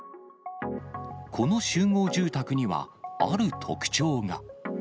この集合住宅には、ある特徴が。